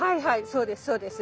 そうですそうです。